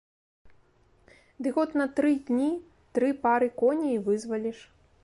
Дык от на тры дні тры пары коней і вызваліш.